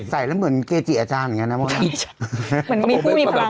ใส่แล้วเหมือนเกจิอาจารย์อย่างเงี้ยนะเหมือนมีผู้มีพลังแบบ